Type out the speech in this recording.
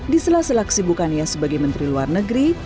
di sela sela kesibukannya sebagai menteri luar negeri